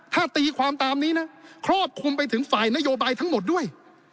ถ้าตีความตามนี้นะครอบคลุมไปถึงฝ่ายนโยบายทั้งหมดด้วย